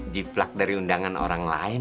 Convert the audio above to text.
jiplak dari undangan orang lain